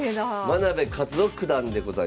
真部一男九段でございます。